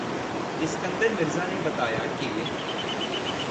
اسکندر مرزا نے بتایا کہ